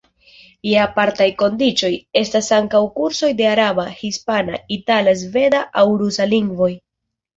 Je apartaj kondiĉoj, estas ankaŭ kursoj de araba, hispana, itala, sveda aŭ rusa lingvoj.